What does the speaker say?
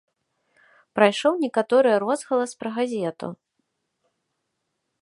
Прайшоў некаторы розгалас пра газету.